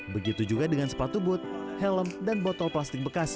begitu juga dengan sepatu but helm dan botol plastik bekas